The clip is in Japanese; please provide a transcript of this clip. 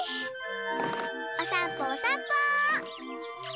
おさんぽおさんぽ！